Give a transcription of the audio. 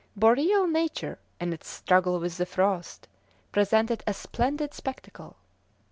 Boreal nature, in its struggle with the frost, presented a splendid spectacle.